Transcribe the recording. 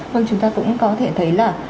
vâng chúng ta cũng có thể thấy là